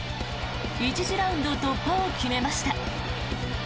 １次ラウンド突破を決めました。